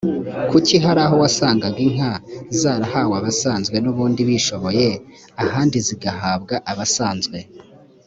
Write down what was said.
kuko hari aho wasanganga inka zarahawe abasanzwe n ubundi bishoboye ahandi zigahabwa abasanzwe